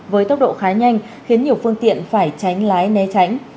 với tốc độ khá nhanh khiến nhiều phương tiện phải tránh lái né tránh